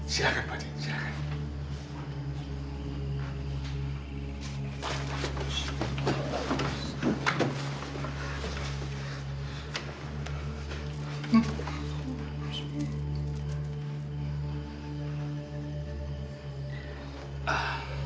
silahkan pak ji silahkan